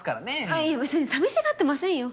あっいえべつに寂しがってませんよ。